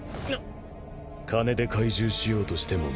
金で懐柔しようとしても無駄だ。